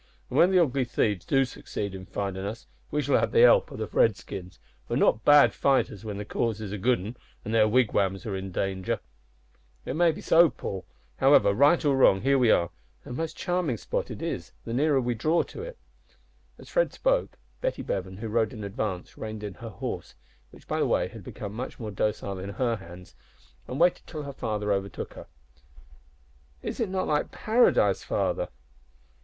An' when the ugly thieves do succeed in findin' us, we shall have the help o' the Redskins, who are not bad fighters when their cause is a good 'un an' their wigwams are in danger." "It may be so, Paul. However, right or wrong, here we are, and a most charming spot it is, the nearer we draw towards it." As Fred spoke, Betty Bevan, who rode in advance, reined in her horse, which, by the way, had become much more docile in her hands, and waited till her father overtook her. "Is it not like paradise, father?"